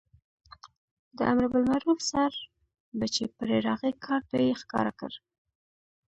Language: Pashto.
د امربالمعروف څار به چې پرې راغی کارټ به یې ښکاره کړ.